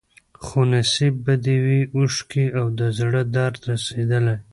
خو نصیب به دي وي اوښکي او د زړه درد رسېدلی